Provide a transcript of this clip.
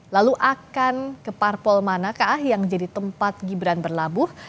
lalu akan ke parpol manakah yang menjadi tempat gibran berlabuh